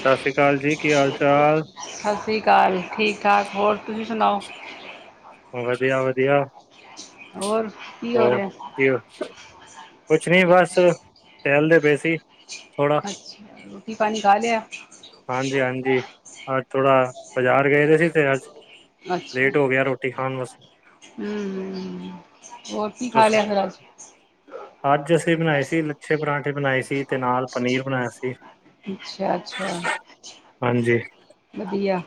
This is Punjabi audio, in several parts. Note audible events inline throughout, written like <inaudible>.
ਸਤਿ ਸ੍ਰੀ ਅਕਾਲ ਜੀ। ਕੀ, ਹਾਲ-ਚਾਲ? ਸਤਿ ਸ਼੍ਰੀ ਅਕਾਲ। ਠੀਕ-ਠਾਕ, ਹੋਰ ਤੁਸੀ ਸੁਣਾਓ? ਵਧੀਆ-ਵਧੀਆ। ਹੋਰ ਕੀ ਹੋ ਹੋਰ, ਰਿਹਾ ਕੀ ਕ ਕੁਛ ਨੀ ਬਸ, ਟਹਿਲਦੇ ਪਏ ਸੀ। ਥੋੜਾ ਅੱਛਾ, ਰੋਟੀ-ਪਾਣੀ ਖਾਲਿਆ? ਹਾਂਜੀ-ਹਾਂਜੀ, ਅੱਜ ਥੋੜਾ ਬਜ਼ਾਰ ਗਏ ਦੇ ਸੀ, ਤੇ ਅੱਜ ਅੱਛਾ, ਲੇਟ ਹੋ ਗਿਆ ਰੋਟੀ ਖਾਣ ਵਾਸਤੇ ਹੂੰ, ਹੋਰ ਕੀ ਤੁਸੀਂ ਖਾਲਿਆ ਫਿਰ ਅਜ? ਅੱਜ ਅਸੀਂ ਬਣਾਏ ਸੀ, ਲੱਛੇ ਪਰਾਂਠੇ ਬਣਾਏ ਸੀ। ਤੇ ਨਾਲ ਪਨੀਰ ਬਣਾਇਆ ਸੀ, ਅੱਛਾ ਅੱਛਾ ਹਾਂਜੀ। ਵਧੀਆ।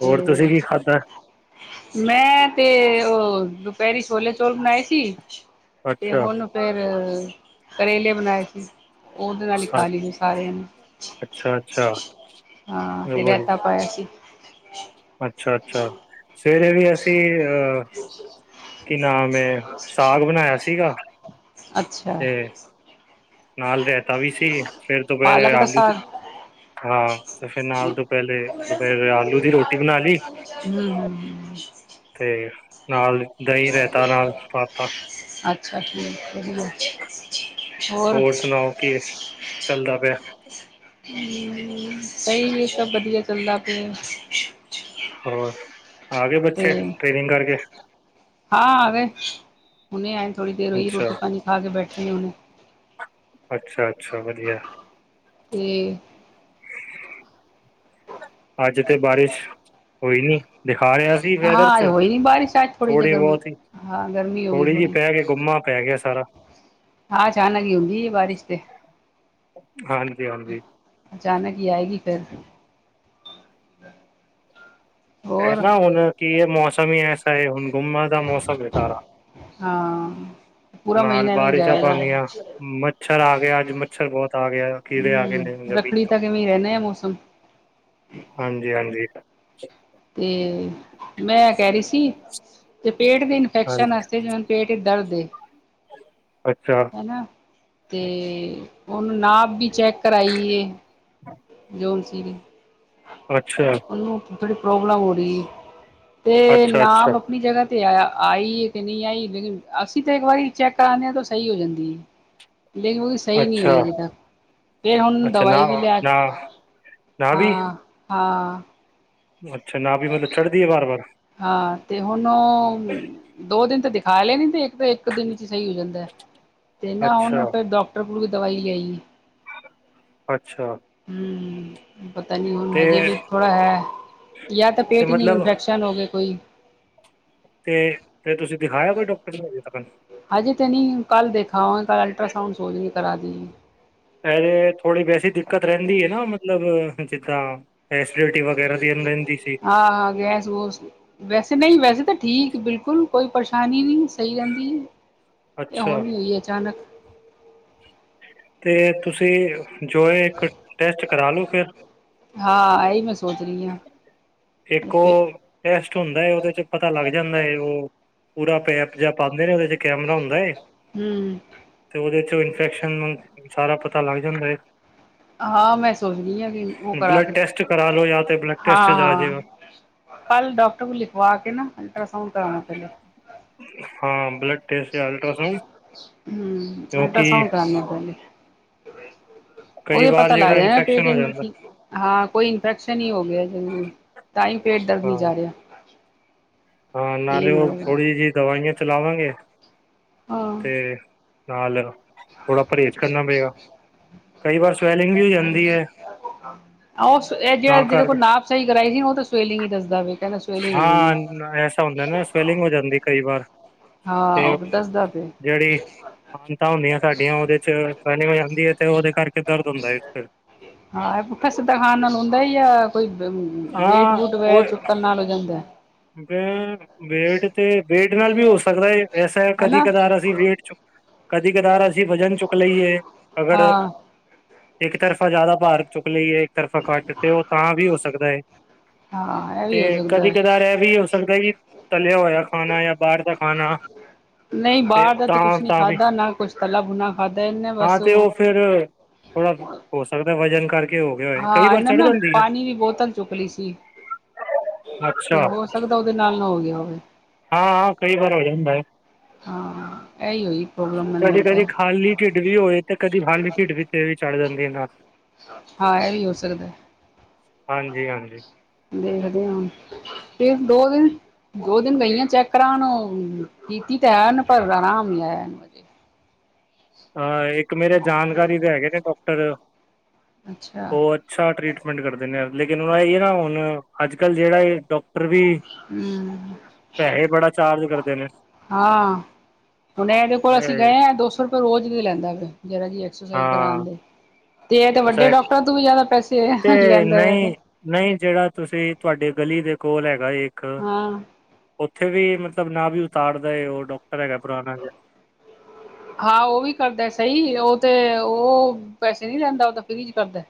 ਤੇ ਹੋਰ, ਤੁਸੀਂ ਕੀ ਖਾਧਾ? ਮੈਂ, ਤੇ ਉਹ, ਦੁਪਹਿਰੀ ਛੋਲੇ-ਚੋਲ ਬਣਾਏ ਸੀ, ਤੇ ਅੱਛਾ ਹੁਣ ਫਿਰ ਕਰੇਲੇ ਬਣਾਏ ਸੀ, ਉਹਦੇ ਨਾਲ ਹੀ ਅੱ- ਖਾਲਈ ਸੀ, ਸਾਰਿਆਂ ਨੇ। ਅੱਛਾ ਅੱਛਾ ਹਾਂ, ਤੇ ਰਾਇਤਾ ਵਧੀਆ। ਪਾਇਆ ਸੀ। ਅੱਛਾ, ਅੱਛਾ ਸਵੇਰੇ ਵੀ ਅਸੀਂ, ਅਹ ਕੀ ਨਾਮ ਏ, ਸਾਗ ਬਣਾਇਆ ਸੀਗਾ। ਅੱਛਾ। ਤੇ ਨਾਲ ਰਹਿਤਾ ਵੀ ਸੀ, ਫਿਰ ਦੁਪਹਿਰੇ ਪਾਲਕ ਦਾ ਆਲੂ ਸਾਗ ਹਾਂ, ਤੇ ਫੇਰ ਨਾਲ ਤੋਂ ਪਹਿਲੇ, ਦੁਪਹਿਰ ਆਲੂ ਦੀ ਰੋਟੀ ਬਣਾਲੀ। ਹੂੰ। ਤੇ, ਨਾਲ ਦਹੀਂ-ਰਹਿਤਾ, ਨਾਲ ਪਾਤਾ ਸਤਿ ਸ਼੍ਰੀ ਅਕਾਲ ਜੀ‌। ਹ <unintelligible> ਹੋਰ ਸੁਣਾਓ, ਕੀ ਚੱਲਦਾ ਪਿਆ? ਹੂੰ, ਸਹੀ ਏ, ਸਭ ਵਧੀਆ ਚੱਲਦਾ ਪਿਆ। ਹੋਰ, ਆ ਗਏ ਤੇ ਬੱਚੇ ਟ੍ਰੇਨਿੰਗ ਕਰਕੇ? ਹਾਂ, ਆ ਗਏ ਹੁਨੇ ਆਏ ਥੋੜੀ ਦੇਰ ਹੋਈ, ਅੱਛਾ ਰੋਟੀ-ਪਾਣੀ ਖਾਕੇ ਬੈਠੇ ਨੇ ਹੁਨੇ। ਅੱਛਾ-ਅੱਛਾ, ਵਧੀਆ। ਤੇ ਆੱਜ ਤੇ ਬਾਰਿਸ਼, ਹੋਈ ਨੀ। ਦਿਖਾ ਰੇਆ ਸੀ ਵੈਦਰ ਚ, ਹਾਂ ਹੋਈ ਨੀ ਬਾਰਿਸ਼ ਅੱਜ ਥੋੜ੍ਹੀ ਜਿਹੀ ਥੋੜੀ ਗਰਮੀ ਬੋਤ ਹੀ ਹਾਂ ਗਰਮੀ ਹੋ ਗਈ ਥੋੜੇ ਜੀ ਥੋੜ੍ਹੀ ਪੈ ਗੁੰਮਾ ਪੈ ਗੇਆ ਸਾਰਾ। ਹਾਂ, ਅਚਾਨਕ ਈ ਹੁੰਦੀ ਬਾਰਿਸ਼ ਤੇ ਹਾਂਜੀ-ਹਾਂਜੀ। ਅਚਾਨਕ ਹੀ ਆਏਗੀ ਫਿਰ। ਐ ਹੋਰ ਨਾ ਹੁਨ ਕੀ ਏ ਮੋਸਮ ਈ ਐਸਾ ਐ ਹੁਨ ਗੁੰਮਾ ਦਾ ਮੋਸਮ ਏ ਸਾਰਾ। ਹਾਂ। ਪੂਰਾ ਨਾਲ ਮਹੀਨਾ ਐਵੇਂ ਬਾਰਿਸ਼ਾਂ ਜਾਏਗਾ ਪਾਨੀਆਂ, ਮੱਛਰ ਆਗੇਆ ਆੱਜ ਮੱਛਰ ਬੋਤ ਆ ਗੇਆ। ਕੀੜੇ ਆਗੇ ਨੇ ਹਮ ਜ਼ਮੀਨ ਰੱਖੜੀ ਤੋ, ਤੱਕ ਐਵੇਂ ਰਹਿਣਾ ਹੈ ਮੌਸਮ ਹਾਂਜੀ, ਹਾਂਜੀ। ਤੇ ਮੈਂ ਕੈਰੀ ਸੀ, ਤੇ ਪੇਟ ਦੇਨ ਫੈਕਸ਼ਨਸ ਹਾਂਜੀ, ਆਸਤੇ ਵੀ ਹੁਨ ਪੇਟ ਐਦੇ ਉਦੇ। ਅੱਛਾ। ਹਨਾ, ਤੇ ਓਨੁ ਨਾਪ ਵੀ ਚੈੱਕ ਕਰਾਈਏ, ਜੋ ਸੀਰੀ। ਅੱਛਾ। ਓਨੂੰ ਥੋੜੀ ਪ੍ਰੋਬਲਮ ਹੋਰੀ ਏ, ਤੇ ਅੱਛਾ, ਅੱਛਾ, ਨਾਮ ਆਪਨੀ ਜਗਾ। ਤੇ ਆ ਆਈ ਏ ਕਿ ਨੀ ਆਈ ਲੇਕਿਨ ਅਸੀ ਤਾ ਏਕ ਵਾਰੀ ਚੈੱਕ ਕਰਾਨੇ ਆ ਤੁ ਸਈ ਹੋ ਜਾਂਦੀ ਏ, ਲੇਕਿਨ ਉਦੀ ਸਈ ਨੀ ਹੋਈ ਅੱਛਾ, ਅਜੇ ਤੱਕ, ਫੇਰ ਹੁਨ ਅੱਛਾ ਨਾ ਦਵਾਈ ਵੀ ਲੇਆ, ਨਾ ਨਾ ਵੀ ਹਾਂ। ਹਾਂ। ਅੱਛਾ, ਨਾਭੀ ਮਤਲਬ ਚੜਦੀ ਏ ਬਾਰ, ਬਾਰ। ਹਾਂ, ਤੇ ਹੁਨ ਦੋ ਦਿਨ ਤੇ ਦਿਖਾ ਲੈਨੀ ਤੇ ਏਕ ਤਾਂ ਏਕ ਦਿਨ ਚ ਸਈ ਹੋ ਜਾਂਨੀ। ਤੇ ਨਾ ਹੁਨ ਅੱਛਾ ਫੇਰ ਡੋਕਟਰ ਕੋਲ ਵੀ ਦਵਾਈ ਲੇਆਈ ਏ। ਅੱਛਾ। ਹੂੰ। ਪਤਾ ਨੀ ਹੁਨ ਤੇ ਹਜੇ ਵੀ ਥੋੜਾ ਹੈ, ਯਾ ਤਾਂ ਤੇ ਪੇਟ ਨੀ ਮਤਲਬ ਇਨਫੈਕਸ਼ਨ ਹੋਵੇ ਕੋਈ ਤੇ ਫੇਰ ਤੁਸੀ ਦਿਖਾਯਾ ਕੋਈ ਡੋਕਟਰ ਨੇ ਅਜੇ ਤੱਕਨ ਹਜੇ ਤੇ ਨੀ ਕੱਲ ਦੇਖਾ ਕੱਲ ਅਲਟਰਾਸਾਊਂਡ ਸੋਚ ਰੀ ਕਰਾ ਦੀਏ। <unintelligible> ਥੋੜੀ ਵੈਸੀ ਦਿੱਕਤ ਰੈਂਦੀ ਏ ਨਾ ਮਤਲਬ ਜਿੱਦਾਂ <unintelligible> ਰਹਿੰਦੀ ਸੀ <unintelligible> ਹਾਂ, ਆਗੇਆ ਜੁਸ ਵੈਸੇ ਨਈ ਵੈਸੇ ਤਾਂ ਠੀਕ ਬਿਲਕੁਲ ਕੋਈ ਪਰੇਸ਼ਾਨੀ ਨੀ <unintelligible> ਐ ਅੱਛਾ ਹੁਨ ਹੋਈ ਅਚਾਨਕ ਤੇ ਤੁਸੀ ਜੋਏ ਏਕ ਟੈਸਟ ਕਰਾਲੋ ਫੇਰ ਹਾਂ ਇਹੀ ਮੈਂ ਸੋਚ ਰਹੀ ਹਾਂ। ਏਕ ਓ ਟੈਸਟ ਹੁੰਦਾ ਏ, ਓਦੇ ਚ ਪਤਾ ਲੱਗ ਜਾਂਦਾ ਏ ਓ ਪੂਰਾ ਪੈਪ ਜਾ ਪਾਂਦੇ ਨੇ, ਓਦੇ ਚ ਕੈਮਰਾ ਹੁੰਦਾ ਏ। ਹੂੰ। ਤੇ ਓਦੇ ਚ ਇਨਫੈਕਸ਼ਨ ਸਾਰਾ ਪਤਾ ਲਾੱਗ ਜਾਂਦਾ ਏ। ਹਾਂ, ਮੈਂ ਸੋਚਦੀ ਆ ਕਿ ਓ ਕਰਾਕੇ ਟੈਸਟ ਕਰਾ ਲੋ ਜਾਂ ਤੇ ਬਲੱਡ ਟੈਸਟ ਹਾਂ, ਚ ਆ ਹਾਂ। ਜਾਏਗਾ ਕਾੱਲ ਡੋਕਟਰ ਕੋ ਲਿਖਵਾ ਕੇ ਨਾ, ਅਲਟਰਾਸਾਊਂਡ ਕਰਾਣਾ ਪੈਲੇ ਹਾਂ, ਬਲੱਡ ਟੈਸਟ ਯਾ ਅਲਟਰਾਸਾਊਂਡ, ਹੂੰ ਕਯੋਂਕਿ <unintelligible> ਕਈ ਓਯੋ ਵਾਰ ਪਤਾ ਲੱਗ ਜਿਹੜਾ ਜੇ ਇਨਫੈਕਸ਼ਨ ਪੇਟ ਹੋ ਨੀ ਜਾਂਦਾ ਠੀਕ, ਹਾਂ ਕੋਈ ਇਨਫੈਕਸ਼ਨ ਈ ਹੋਗੇਆ ਜਰੂਰ ਤਾਂਈ ਪੇਟ ਦਰਦ ਨੀ ਹਾਂ ਜਾ ਰੇਆ। ਹਾਂ ਨਾਲੇ ਓ ਥੋੜੀ ਜੀ ਦਵਾਈਆਂ ਚਲਾਵਾਂਗੇ, ਹਾਂ ਤੇ- ਨਾਲ ਥੋੜਾ ਪਰੇਜ਼ ਕਰਨਾ ਪਏਗਾ, ਕਈ ਵਾਰ ਸਵੇਲ <unintelligible> ਤਾਂ ਕਰਕੇ ਸਈ ਕਰਾਈ ਸੀ ਓ ਤੇ ਸਵੇਲਿਗਂ ਈ ਦੱਸਦਾ ਵੇ। ਕਹਿੰਦਾ ਸਵੈਲਿੰਗ ਹੋ ਗਈ ਹਾਂ, ਐਸਾ ਹੁੰਦਾ ਨਾ ਸਵੈਲਿੰਗ ਹੋ ਜਾਂਦੀ, ਕਈ ਵਾਰ। ਹਾਂ, ਉਹ ਦਸਦਾ ਪਿਆ। ਮਤਾਂ ਹੁੰਦੀਆਂ ਸਾਡੀਆਂ ਉਹਦੇ'ਚ ਟੈਨਿੰਗ ਹੋ ਜਾਂਦੀ ਹੈ, ਤੇ ਉਹਦੇ ਕਰ ਹੁੰਦਾ ਏ, ਫਿਰ ਹਾਂ, ਪੁੱਠਾ ਸਿੱਦਾ ਖਾਨ ਨਾਲ ਹੁੰਦਾ ਈ ਤਾਂ, ਕੋਈ ਵੇਟ ਹਾਂ ਵੂਟ ਵਗੈਰਾ ਚੁੱਕਨ ਨਾਲ ਹੋ ਜਾਂਦਾ। <inaudible> ਹੰ, ਵੇਟ ਤੇ ਵੇਟ ਨਾਲ ਵੀ ਹੋ ਸਕਦਾ ਹੈ, ਵੈਸਾ ਹਨਾ ਕਦੀ-ਕਦਾਰ ਅਸੀਂ ਵੇਟ, ਚੁ ਕਦੀ-ਕਦਾਰ ਅਸੀਂ ਵਜਨ ਚੁੱਕ ਲਈਏ, ਅਗਰ ਹਾਂ ਇਕ ਤਰਫਾ ਜ਼ਿਆਦਾ ਭਾਰ ਚੁੱਕ ਲਈਏ, ਇਕ ਤਰਫਾ ਘੱਟ ਤੇ ਉਹ ਤਾਂ ਵੀ ਹੋ ਸਕਦਾ ਹੈ। ਹਾਂ ਇਹ ਤੇ ਵੀ ਹੋ ਸਕਦਾ ਹੈ ਕਦੀ-ਕਦਾਰ ਐ, ਵੀ ਹੋ ਸਕਦਾ, ਕੀ ਤਲਿਆ ਹੋਇਆ ਖਾਨਾਂ ਯਾ ਬਾਹਰ ਦਾ ਖਾਨਾ। ਨਹੀਂ ਬਾਹਰ ਦਾ ਤੇ ਕੁਛ ਨੀ ਖਾਧਾ, ਨਾ ਕੁਛ ਤੱਲਾ-ਬੁਣਾ ਖਾਧਾ, ਇਹਨੇ ਬਸ ਹਾਂ ਤੇ ਉਹ ਫਿਰ ਥੋੜਾ ਹੋ ਸਕਦਾ ਵਜਨ ਕਰਕੇ ਹੋ ਗਿਆ ਹੋਏ ਕਈ ਹਾਂ, ਵਾਰ ਇਹਨਾ ਨ ਚੜ ਨਾ, ਜਾਂਦੀ ਹੈ ਪਾਣੀ ਦੀ ਬੋਤਲ ਚੁੱਕਲੀ ਸੀ। ਹ <inaudible> ਅੱਛਾ। ਲਗਦਾ, ਉਹਦੇ ਨਾਲ ਨਾ ਹੋ ਗਿਆ ਹੋਵੇ। ਹਾਂ-ਹਾਂ, ਕਈ ਵਾਰ ਹੋ ਜਾਂਦਾ ਏ। ਹਾਂ, ਇਹੀ ਹੋਈ ਪ੍ਰੋਬਲਮ ਮੈਨ ਕਦੀ-ਕਦੀ ਲੱਗਦਾ। ਖਾਲੀ ਢਿੱਡ ਵੀ ਹੋਏ ਤੇ ਕਦੀ, ਖਾਲੀ ਢਿੱਡ ਵੀ ਤੇ ਵੀ ਚੜ ਜਾਂਦੀ ਏ, ਨਾੜ ਹਾਂ, ਐ ਵੀ ਹੋ ਸਕਦਾ। ਹਾਂਜੀ-ਹਾਂਜੀ। ਦੇਖਦੇ ਆਂ, ਫਿਰ ਦੋ-ਦਿਨ ਦੋ-ਦਿਨ ਗਈਆਂ ਚੈੱਕ ਕਰਾਣ ਓ, ਕੀਤੀ ਤੇ ਹੈਨ ਪਰ ਆਰਾਮ ਨਹੀ ਆਇਆ ਅਜੇ ਅ, ਇੱਕ ਮੇਰੇ ਜਾਣਕਾਰੀ ਦੇ ਹੈਗੇ ਨੇ ਡਾਕਟਰ, ਅੱਛਾ ਓ ਅੱਛਾ ਟ੍ਰੀਟਮੇਂਟ ਕਰਦੇ ਨੇ ਯਾਰ, ਲੇਕਿਨ ਇਹ ਨਾ ਹੁਣ ਅੱਜ-ਕਲ੍ਹ ਜਿਹੜਾ ਏ ਡੌਕਟਰ ਵੀ ਹੂੰ ਪੈਸੇ ਬੜਾ ਚਾਰਜ ਕਰਦੇ ਨੇ ਹਾਂ, ਹੁਣ ਇਹਦੇ ਕੋਲ ਅਸੀਂ ਗਏ ਹਾਂ, ਦੋ-ਸੌ ਪਰ ਰੋਜ਼ ਵੀ ਲੈਂਦਾ ਵੇ, ਜਿਹੜਾ ਜੀ ਐਕਸਰਸਾਈਜ਼ ਕਰਾਣ ਹਾਂ ਦੇ। ਤੇ, ਇਹ ਤੇ ਅੱਛਾ ਵੱਡੇ ਡੌਕਟਰਾਂ ਤੋਂ ਵੀ ਜ਼ਿਆਦਾ ਪੈਸੇ ਲੈਂਦਾ, ਯੇ ਤੇ ਨਹੀਂ, ਜਿਹੜਾ ਤੁਸੀਂ, ਤੁਹਾਡੇ ਗਲੀ ਦੇ ਕੋਲ ਹੈਗਾ ਇੱਕ ਹਾਂ ਉੱਥੇ ਵੀ ਮਤਲਬ ਨਾਭੀ ਉਤਾਰਦਾ ਏ ਉਹ, ਡੌਕਟਰ ਹੈਗਾ ਪੁਰਾਣਾ ਜਾ ਹਾਂ, ਉਹ ਵੀ ਕਰਦਾ ਸਹੀ, ਉਹ ਤੇ, ਉਹ ਪੈਸੇ ਨੀ ਲੈਂਦਾ, ਉਹ ਤਾਂ ਫ੍ਰੀ'ਚ ਕਰਦਾ।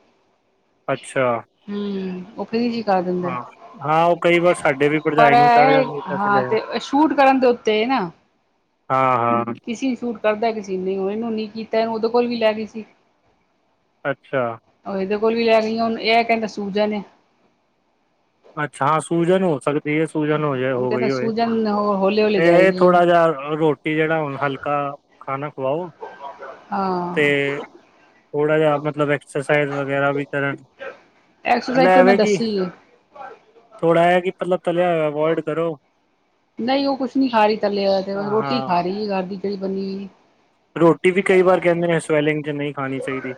ਅੱਛਾ। ਹੂੰ ਉਹ ਫ੍ਰੀ ਚ ਕਰ ਦਿੰਦਾ ਹਾਂ-ਹਾਂ, ਉਹ ਕਈ ਵਾਰ ਸਾਡੇ ਵੀ ਭਰਜਾਈ ਨੂੰ ਚੜ੍ਹ ਜਾਂਦੀ, ਤਾਂ ਫਿਰ ਅਸੀ ਲੈ ਫੁਟ ਕਰਨ ਦੇ ਉੱਤੇ ਏ, ਨਾ। ਹਾਂ-ਹਾਂ। ਕਿਸੀ ਸੂਟ ਕਰਦਾ, ਕਿਸੇ ਨ ਨਹੀਂ, ਹੁਣ ਇਹਨੂੰ ਨੀ ਕੀਤਾ ਉਹਦੇ ਕੋਲ ਵੀ ਲੈ ਗਈ ਸੀ। ਅੱਛਾ। ਉਹ ਇਹਦੇ ਕੋਲ ਵੀ ਲੈ ਗਈਆਂ, ਹੁਣ ਇਹ ਕਹਿੰਦਾ ਸੁਜਨ ਏ। ਅੱਛਾ, ਹਾਂ, ਸੂਜ਼ਨ ਹੋ ਸਕ ਵੀ ਸੂਜਨ ਹੋ ਜਾਏ, ਓ ਕਹਿੰਦਾ ਵਧੀਆ ਵੇਖ, ਸੂਜਨ ਹੌਲੇ ਹੌਲੇ ਇਹ ਜਾਏਗੀ ਥੋੜਾ ਜਾ ਰੋ ਜਿਹੜਾ ਹੁਣ ਹਲਕਾ ਖਾਣਾ ਖਵਾਓ, ਤੇ ਹਾਂ ਥੋੜਾ ਜਿਹਾ, ਮਤਲਬ ਐਕਸਰਸਾਈਜ਼ ਵਗੈਰਾ ਵੀ ਕਰਨ। ਮਤਲਬ ਐਕਸਰਸਾਈਜ਼ ਤ ਓਹਨੇ ਐਵੇਂ ਕਿ ਦੱਸੀ ਏ। ਥੋੜਾ ਹੈ ਕਿ, ਤਲਬ ਤਲਿਆ ਅਵੋਇਡ ਕਰੋ। ਨਹੀਂ, ਉਹ ਕੁੱਛ ਨਹੀਂ ਖਾ ਰਹੀ ਤਲਿਆ ਹੋਇਆ ਤੇ, ਰੋਟੀ ਖਾ ਹਾਂ ਰਹੀ ਘਰ ਦੀ ਜਿਹੜੀ ਬਨੀ ਹੋਈ। ਰ੍ਹੋਟੀ ਵੀ ਕਈ ਵਾਰ ਕਹਿੰਦੇ ਨੇ, ਸਵੈਲਿੰਗ'ਚ ਨਹੀਂ ਖਾਣੀ ਚਾਹੀਦੀ।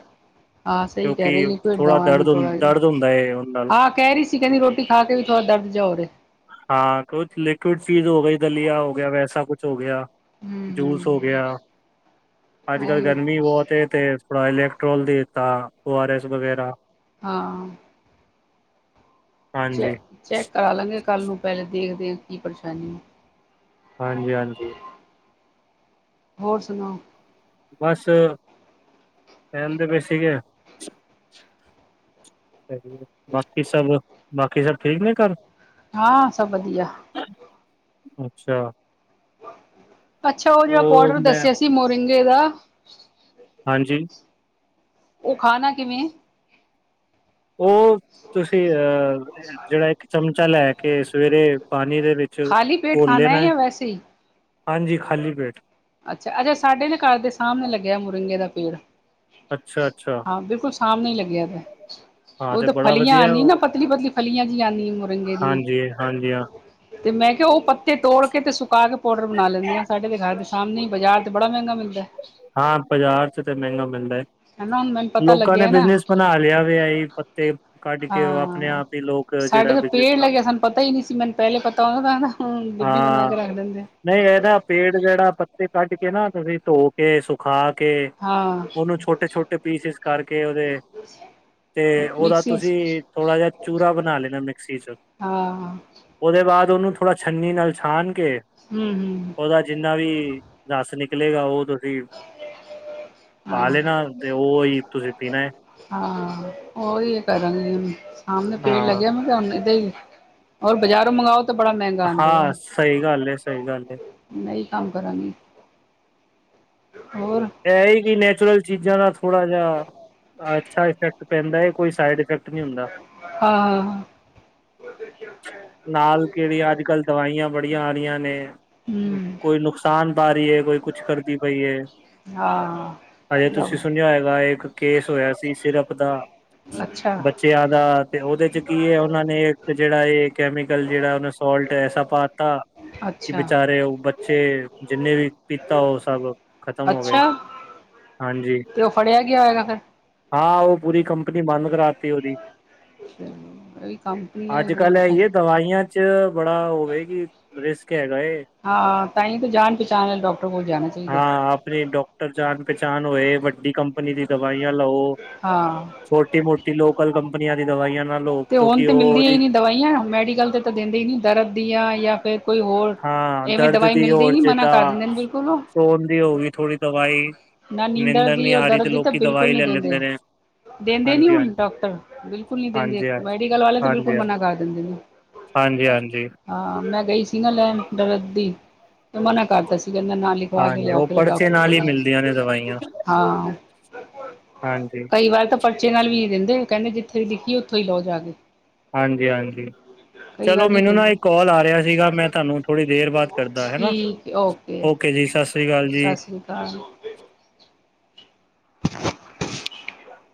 ਹਾਂ, ਸਹੀ ਕਹਿ ਕਿਉਂਕਿ ਰਹੇ ਤੁਹਾਡੇ ਥੋੜਾ ਵਾਂਗ ਦਰਦ ਹੁੰ ਥੋੜਾ ਜਿਹਾ, ਦਰਦ ਹੁੰਦਾ ਹੈ ਉਹ ਨਾਲ ਹਾ ਕਹਿ ਰਹੀ ਸੀ, ਕਹਿੰਦੀ ਰੋ ਰੋਟੀ ਖਾਕੇ ਵੀ, ਥੋੜਾ ਦਰਦ ਜਾ ਹੋ ਰਿਯਾ। ਹਾਂ, ਕੁਛ ਲਿਕਵਿਡ ਚੀਜ਼ ਹੋ ਗਈ, ਦਲੀਆ ਹੋਗਿਆ ਵੈਸਾ ਕੁਛ ਹੋ ਗਿਆ। ਜੂਸ ਹੋ ਹੂੰ ਗਿਆ। ਅੱਜ ਕੱਲ੍ਹ ਹੂੰ ਗਰਮੀ ਬਹੁਤ ਤੇ ਥੋੜਾ ਇਲੈਕਟ੍ਰੋਲ ਦੇ ਦਿੱਤਾ ਓ ਆਰ ਐਸ ਵਗੈਰਾ। ਹਾਂ। ਚੈ ਹਾਂਜੀ ਚੈੱਕ ਕਰਾ ਲਾਂਗੇ ਕੱਲ ਨੂੰ ਪਹਿਲੇ ਦੇਖਦੇ ਕੀ ਪਰੇਸ਼ਾਨੀ ਹਾਂਜੀ- ਹਾਂਜੀ। ਹੋਰ ਸੁਣਾਓ ਬਸ ਟਹਿਲ ਦੇ ਪੇ ਸੀਗੇ <unintelligible> ਸਹੀ ਬਾਕੀ ਸਭ ਬਾਕੀ ਸਭ ਠੀਕ ਨੇ ਘਰ? ਹਾਂ ਸਭ ਵਧੀਆ। ਅੱਛਾ। ਅੱਛਾ ਉਹ ਜਿਹੜਾ ਪਾਊਡਰ ਦੱਸਿਆ ਸੀ ਮੋਰਿੰਗੇ ਦਾ ਹਾਂਜੀ। ਉਹ ਖਾਣਾ ਕਿਵੇਂ ਉਹ ਤੁਸੀਂ ਅਹ ਜਿਹੜਾ ਇੱਕ ਚਮਚਾ ਲੈ ਕੇ ਸਵੇਰੇ ਪਾਣੀ ਦੇ ਵਿੱਚ ਖਾਲੀ ਪੇਟ ਘੋਲ ਖਾਨਣਾ ਲੈਣਾ ਹੈ ਐ। ਜਾਂ ਵੈਸੇ ਹੀ। ਹਾਂਜੀ ਖਾਲੀ ਪੇਟ। ਅੱਛਾ -ਅੱਛਾ ਸਾਡੇ ਦੇ ਘਰ ਦੇ ਸਾਹਮਣੇ ਲੱਗਿਆ ਮੁਰਿੰਗੇ ਦਾ ਪੇੜ ਅੱਛਾ-ਅੱਛਾ, ਹਾਂ ਬਿਲਕੁਲ ਸਮਣੇ ਲੱਗਿਆ ਤੇ ਹਾਂ ਉਹ ਤੇ ਬੜਾ ਫਲੀਆਂ ਵਧੀਆ ਆਉਂਦੀ ਨਾ ਉਹ ਪਤਲੀ ਪਤਲੀ ਫਲੀਆਂ ਜਿਹੀ ਆਉਂਦੀ ਮੁਰੰਗੇ ਦੀਆਂ। ਹਾਂਜੀ-ਹਾਂਜੀ ਹਾਂ। ਤੇ ਮੈਂ ਕਿਹਾ ਉਹ ਪੱਤੇ ਤੋੜ ਕੇ ਤੇ ਸੁਕਾ ਕੇ ਪਾਊਡਰ ਬਣਾ ਲੈਂਦੇ ਆਾਂ ਸਾਡੇ ਦੇ ਘਰ ਦੇ ਸਾਹਮਣੇ ਬਾਜ਼ਾਰ ਤੇ ਬੜਾ ਮਹਿੰਗਾ ਮਿਲਦਾ। ਹਾਂ ਬਾਜ਼ਾਰ ਚ ਤੇ ਮਹਿੰਗਾ ਮਿਲਦਾ ਹੈ, ਹਨਾ ਹੁਣ ਮੈਨੂੰ ਪਤਾ ਲੋਕਾਂ ਨੇ ਲੱਗਿਆ ਨਾ ਬਿਜਨਸ ਬਣਾ ਲਿਆ ਵੀ ਸੀ ਪੱਤੇ ਕੱਢ ਕੇ ਉਹ ਆਪਣੇ ਹਾਂ ਆਪ ਹੀ ਲੋਕ ਸਾਡੇ ਜਿਹੜਾ ਤਾਂ ਬਿਜਨਸ ਪੇੜ ਲੱਗਿਆ ਬਣਾਉਂਦੇ ਨੇ। ਸਾਨੂੰ ਪਤਾ ਹੀ ਨਹੀਂੀ ਸੀ, ਮੈਨੂੰ ਪਹਿਲੇ ਪਤਾ ਉਹਦਾਦਾ ਹਣ ਡਿੱਬੀ ਬਣਾ ਹਾਂ ਕੇ ਰੱਖ ਦਿੰਦੇ ਆ ਨਹੀਂ ਇਹਦਾ ਪੇੜ ਜਿਹੜਾ ਪੱਤੇ ਕੱਢ ਕੇ ਨਾ ਤੁਸੀਂ ਧੋ ਕੇ ਸੁਖਾ ਕੇ ਹਾਂ ਉਹਨੂੰ ਛੋਟੇ ਛੋਟੇ ਪੀਸਿਸ ਕਰਕੇ ਉਹਦੇ, ਤੇ ਉਹਦਾ ਮਿਕਸੀ ਚ ਤੁਸੀਂ ਥੋੜਾ ਜਿਹਾ ਚੂਰਾ ਬਣਾ ਲੈਣਾ ਮਿਕਸੀ ਚ, ਹਾਂ ਉਹਦੇ ਬਾਅਦ ਉਹਨੂੰ ਥੋੜਾ ਛੰਨੀ ਨਾਲ ਛਾਨ ਕੇ, ਹਮ ਹਮ ਉਹਦਾ ਜਿੰਨਾ ਵੀ ਰੱਸ ਨਿਕਲੇਗਾ, ਉਹ ਪਾ ਹਾਂ ਲੈਣਾ ਤੇ ਉਹਹੀ ਤੁਸੀਂ ਪੀਣਾ ਹਾਂ ਉਹੀ ਕਰਾਂਗੇ ਸਾਹਮਣੇ ਪੇੜ ਹਾਂ ਲੱਗਿਆ ਮ ਦਾਾਂ ਹੀ ਰ ਬਾਜ਼ਾਰੋਂ ਮੰਗਾਓ ਹਾਂ ਸਹੀ ਗੱਲ ਹੈ ਸਹੀ ਗੱਲ ਹੈ ਨਹੀਂ ਕੰਮ ਕਰਾਂਗੀ ਹੋਰ ਇਹ ਹੀ ਕਿ ਨੈਚੁਰਲ ਚੀਜ਼ਾਂ ਦਾ ਥੋੜਾ ਜਿਹਾ ਅੱਛਾ ਇਫੈਕਟ ਪੈਂਦਾ ਹੈ, ਕੋਈ ਸਾਈਡ ਇਫੈਕਟ ਨਹੀਂ ਹੁੰਦਾ ਹਾਂ ਹਾਂ ਉਹ ਦੇਖ ਨਾਲ ਕਿਹੜੀਆਂ ਅੱਜ ਕੱਲ੍ਹ ਦਵਾਈਆਂ ਬੜੀਆਂ ਆ ਰਹੀਆਂ ਨੇ ਹੂੰ ਕੋਈ ਨੁਕਸਾਨ ਪਾ ਰਹੀ ਹੈ ਕੋਈ ਕੁਛ ਕਰਦੀ ਪਈ ਹੈ ਹਾਂ ਹਜੇ ਤੁਸੀਂ ਸੁਣਿਆ ਹੋਏਗਾ, ਇੱਕ ਕੇਸ ਹੋਇਆ ਸੀ ਸਿਰਫ ਦਾ ਅੱਛਾ ਬੱਚਿਆਂ ਦਾ ਤੇ ਉਹਦੇ ਚ ਕੀ ਹੈ ਉਹ ਨੇ ਇੱਕ ਜਿਹੜਾ ਇਹ ਕੈਮੀਕਲ ਜਿਹੜਾ ਉਹਨ ਸੋਲਟ ਐਸਾ ਪਾ। ਕੀਤਾ ਕਿ ਅੱਛਾ ਬੇਚਾਰੇ ਉਹ ਬੱਚੇ, ਜਿੰਨੇ ਵੀ ਪੀਤਾ ਉਹ ਸਭ ਖਤਮ ਹੋ ਗਏ ਅੱਛਾ ਹਾਂਜੀ ਤੇ ਉਹ ਫੜਿਆ ਗਿਆ ਹੋਏਗਾ, ਫੇਿਰ ਹਾਂ ਉਹ ਪੂਰੀ ਕੰਪਨੀ ਬੰਦ ਕਰਾਤੀ ਉਹਦੀ ਹਮ ਕੰਪ ਅੱਜਕੱਲ ਹੈ ਹੀ ਹੈ ਦਵਾਈਆਂ 'ਚ ਬੜਾ ਹੋਵੇ ਕਿ ਰਿਸਕ ਹੈਗਾ ਏ। ਹਾਂ ਤਾਂ ਹੀ ਤਾਂ ਜਾਣ ਪਚਾਣ ਵਾਲ ਡਾਕਟਰ ਕੋਲ ਜਾਣਾ ਚਾਹੀਦਾ। ਪ੍ਰੇਮ ਡਾਕਟਰ ਜਾਣ ਪਹਿਚਾਣ ਹੋਏ ਵੱਡੀ ਕੰਪਨੀ ਦੀ ਦਵਾਈਆਂ ਲਓ। ਹਾਂ ਛੋਟੀ-ਮੋਟੀ ਲੋਕਲ ਕੰ ਕੰਪਨੀਆਂ ਦੀ ਦਵਾਈਆਂ ਨਾ ਲਓ। ਤੇ ਹੁਣ ਕਿਉਂਕਿ ਤੇ ਉਹ ਮਿਲਦੀਆਂ ਹੀ ਉਹਦੀ ਨਹੀਂ ਦਵਾਈਆਂ ਮੈਡੀਕਲ ਤੇ ਤਾਂ ਦਿੰਦੇ ਹੀ ਨਹੀਂ ਦਰਦ ਦੀ ਆ ਜਾਂ ਫਿਰ ਕੋਈ ਹੋਰ। ਹਾਂ ਇਵੇਂ ਦਰਦ ਦਵਾਈ ਦੀ ਮਿਲਦੀ ਹੋਰ ਨੀ ਮਨਾ ਜਿੱਦਾਂ ਕਰ ਦਿੰਦੇ ਨੇ ਬਿਲਕੁਲ ਉਹ। ਸੋਨ ਦੀ ਹੋ ਗਈ ਥੋੜ੍ਹੀ ਦਵਾਈ ਨਾ ਨੀਂਦਰ ਨਿੰਦਰ ਦੀ ਨੀ ਉਹ ਆ ਰਹੀ ਦਰਦ ਤੇ ਦੀ ਤਾਂ ਲੋਕੀ ਬਿਲਕੁਲ ਦਵਾਈ ਨਹੀਂ ਲੈ ਦਿੰਦੇ। ਲੈਂਦੇ ਨੇ ਦਿੰਦੇ ਨੀ ਹਾਂਜੀ ਹੁਣ ਹਾਂਜੀ ਡਾਕਟਰ ਬਿਲਕੁਲ ਨੀ ਦਿੰਦੇ। ਹਾਂਜੀ ਹਾਂਜੀ ਮੈਡੀਕਲ ਵਾਲੇ ਤਾਂ ਬਿਲਕੁਲ ਹਾਂਜੀ ਮਨਾ ਕਰ ਦਿੰਦੇ ਨੇ। ਹਾਂਜੀ ਹਾਂਜੀ ਆ ਮੈਂ ਗਈ ਸੀ ਨਾ ਲੈਣ ਦਰਦ ਦੀ, ਤੇ ਮਨਾ ਕਰਦਾ ਸੀ ਕਹਿੰਦਾ ਨਾਲ ਹੀ। ਹਾਂਜੀ ਉਹ ਪਰਚੇ ਨਾਲ ਹੀ ਮਿਲਦੀਆਂ ਨੇ ਦਵਾਈਆਂ। ਹਾਂ ਹਾਂਜੀ ਕਈ ਵਾਰ ਤਾਂ ਪਰਚੇ ਨਾਲ ਵੀ ਨੀ ਦਿੰਦੇ ਕਹਿੰਦੇ ਜਿੱਥੇ ਵੀ ਲਿਖੀ ਏ ਉੱਥੋਂ ਹੀ ਲਓ ਜਾ ਕੇ। ਹਾਂਜੀ-ਹਾਂਜੀ ਕਈ ਚਲੋ ਵਾਰ ਨਹੀਂ ਮੈਨੂੰ ਨਾ ਦਿੰਦੇ ਇੱਕ ਕਾਲ ਆ ਰਿਹਾ ਸੀਗਾ ਮੈਂ ਤੁਹਾਨੂੰ ਥੋੜ੍ਹੀ ਦੇਰ ਬਾਅਦ ਕਰਦਾ ਹਨਾ। ਠੀਕ ਏ ਓਕੇ। ਓਕੇ ਜੀ ਸਤਿ ਸ੍ਰੀ ਅਕਾਲ ਜੀ। <unintelligible> <unintelligible>